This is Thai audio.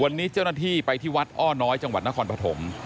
วันนี้เจ้าหน้าที่ไปที่วัดอ้อน้อยจังหวัดนครปฐม